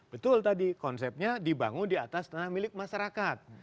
betul tadi konsepnya dibangun di atas tanah milik masyarakat